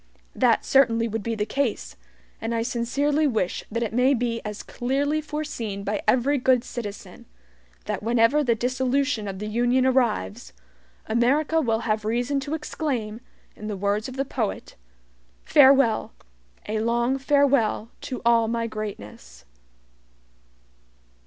That certainly would be the case, and I sincerely wish that it may be as clearly foreseen by every good citizen, that whenever the dissolution of the Union arrives, America will have reason to exclaim, in the words of the poet: "FAREWELL! A LONG FAREWELL TO ALL MY GREATNESS."